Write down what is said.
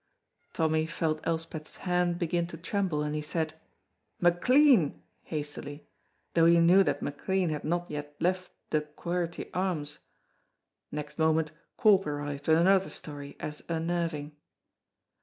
Tommy felt Elspeth's hand begin to tremble, and he said "McLean!" hastily, though he knew that McLean had not yet left the Quharity Arms. Next moment Corp arrived with another story as unnerving.